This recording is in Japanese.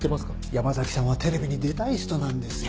山崎さんはテレビに出たい人なんですよ。